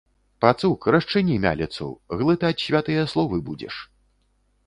Пацук, расчыні мяліцу, глытаць святыя словы будзеш.